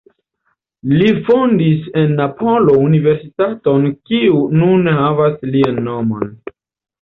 Li fondis en Napolo universitaton kiu nun havas lian nomon.